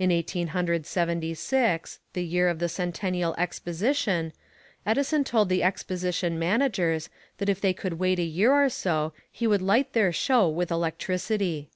In Eighteen Hundred Seventy six, the year of the Centennial Exposition, Edison told the Exposition Managers that if they would wait a year or so he would light their show with electricity.